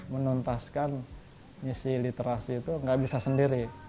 menuntaskan misi literasi itu nggak bisa sendiri